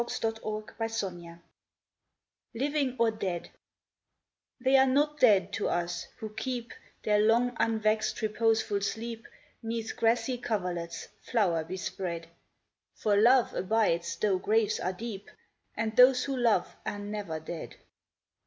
LIVING OR DEAD 143 LIVING OR DEAD THEY are not dead to us, who keep Their long, unvexed, reposeful sleep 'Neath grassy coverlets, flower bespread : For love abides though graves are deep, And those who love are never dead.